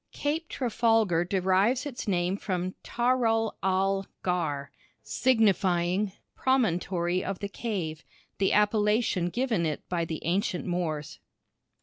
Cape Trafalgar derives its name from Taral al ghar signifying "promontory of the cave" the appellation given it by the ancient Moors.